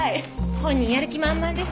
本人やる気満々です。